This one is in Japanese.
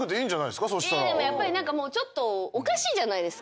でもやっぱり何かもうちょっとおかしいじゃない。